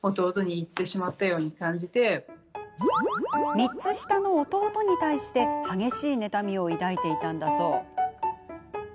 ３つ下の弟に対して激しい妬みを抱いていたんだそう。